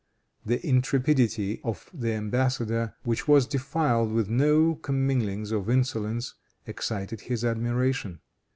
The intrepidity of the embassador, which was defiled with no comminglings of insolence, excited his admiration.